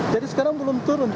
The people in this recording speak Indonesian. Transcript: jadi sekarang belum turun